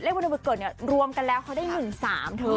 เลขวันเดือนปีเกิดรวมกันแล้วเขาได้๑๓เถอะ